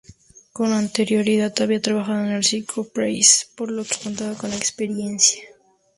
Con anterioridad había trabajado en el Circo Price, por lo que contaba con experiencia.